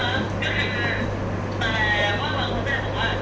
ซึ่งคือแน่นผมก็จะเข้าแล้วเข้ามาเอง